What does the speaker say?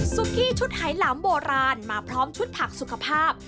กี้ชุดไหลำโบราณมาพร้อมชุดผักสุขภาพ